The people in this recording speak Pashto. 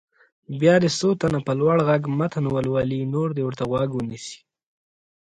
بیا دې څو تنه په لوړ غږ متن ولولي نور دې ورته غوږ ونیسي.